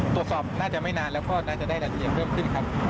ตรวจสอบน่าจะไม่นานแล้วก็น่าจะได้รายละเอียดเพิ่มขึ้นครับ